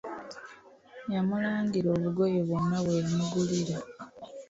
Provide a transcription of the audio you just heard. Yamulangira obugoye bwonna bwe yamugulira.